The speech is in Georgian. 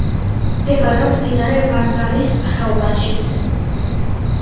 მდებარეობს მდინარე ვარდარის ხეობაში.